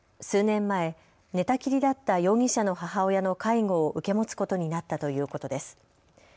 数年前、寝たきりだった容疑者の母親の介護を受け持つことになったということです。